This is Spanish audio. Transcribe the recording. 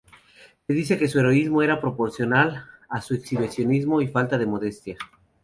Se dice que su heroísmo era proporcional a su exhibicionismo y falta de modestia.